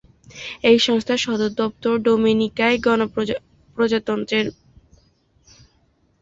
এই সংস্থার সদর দপ্তর ডোমিনিকান প্রজাতন্ত্রের রাজধানী সান্তো দোমিঙ্গোয় অবস্থিত।